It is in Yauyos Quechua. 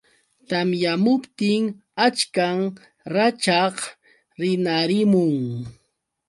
Tamyamuptin achkan rachaq rinarimun.